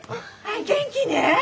元気ね？